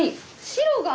白が？